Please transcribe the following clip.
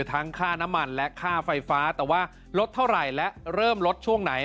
ทั้งค่าน้ำมันและค่าไฟฟ้าแต่ว่าลดเท่าไหร่และเริ่มลดช่วงไหน